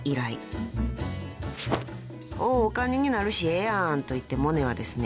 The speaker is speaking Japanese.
［お金になるしええやんといってモネはですね